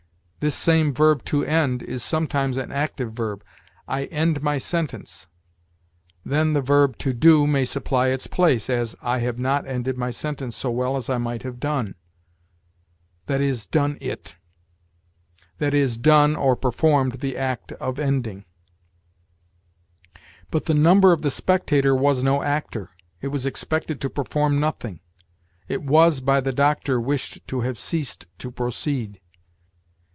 This same verb to end is sometimes an active verb: 'I end my sentence'; then the verb to do may supply its place; as, 'I have not ended my sentence so well as I might have done'; that is, done it; that is, done, or performed, the act of ending. But the Number of the 'Spectator' was no actor; it was expected to perform nothing; it was, by the Doctor, wished to have ceased to proceed.